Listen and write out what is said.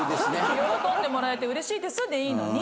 「喜んでもらえて嬉しいです」でいいのに。